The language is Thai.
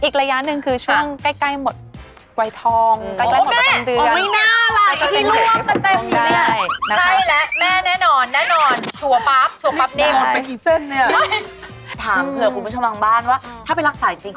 เขาบอกว่าลูกจำหน้าได้อย่างไร